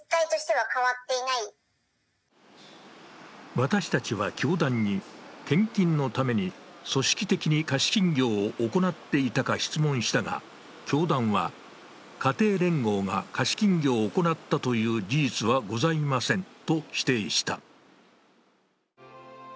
私たちは教団に献金のために組織的に貸金業を行っていたか質問したが、教団は、家庭連合が貸金業を行ったという事実はございませんと否定した。